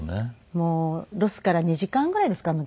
もうロスから２時間ぐらいですか車で。